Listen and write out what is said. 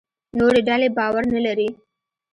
نورې ډلې باور نه لري.